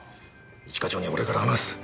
一課長には俺から話す。